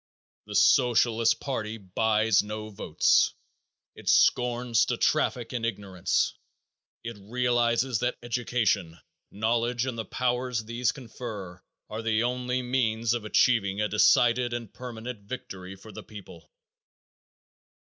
The Socialist party buys no votes. It scorns to traffic in ignorance. It realizes that education, knowledge and the powers these confer are the only means of achieving a decided and permanent victory for the people.